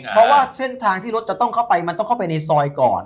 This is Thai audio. เพราะว่าเส้นทางที่รถจะต้องเข้าไปมันต้องเข้าไปในซอยก่อน